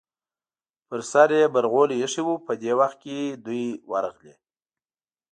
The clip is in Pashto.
پر سر یې برغولی ایښی و، په دې وخت کې دوی ورغلې.